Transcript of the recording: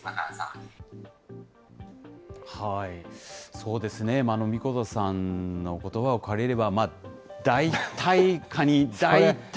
そうですね、神子田さんのことばを借りれば、代替カニ、代替。